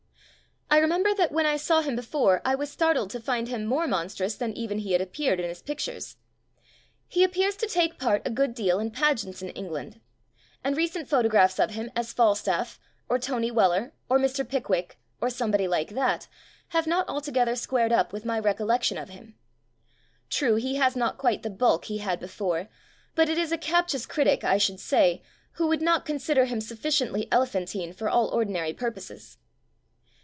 I remember that when I saw him before I was startled to find him more monstrous than even he had appeared in his pictures. He appears to take part a good deal in pageants in England; and recent photographs of him as Falstaff, or Tony Weller, or Mr. Pickwick, or somebody like that, have not altogether squared up with my recollection of MURRAY HILL SEES MR. CHESTERTON 25 him. True, he has not quite the bulk he had before; but it is a captious critic, I should say» who would not con sider him sufficiently elephantine for all ordinary purposes.